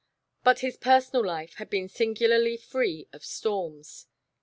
But his personal life had been singularly free of storms.